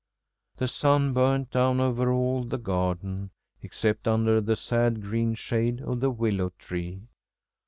The sun burnt down over all the garden, except under the sad green shade of the willow tree.